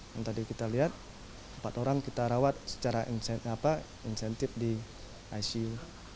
yang tadi kita lihat empat orang kita rawat secara insentif di icu